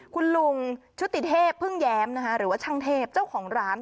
คุณลุงชุติเทพพึ่งแย้มหรือว่าช่างเทพเจ้าของร้าน